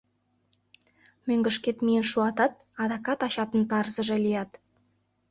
Мӧҥгышкет миен шуатат, адакат ачатын тарзыже лият...